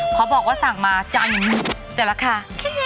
ขอบอกว่าสั่งมาจ่ายอยู่นี่แต่ราคา